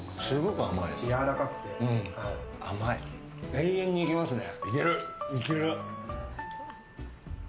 永遠にいけますね。